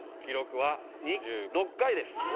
記録は２６回です。